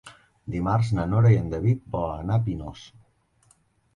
Dimarts na Nora i en David volen anar a Pinós.